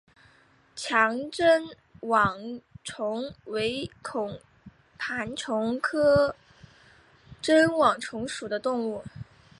强针网虫为孔盘虫科针网虫属的动物。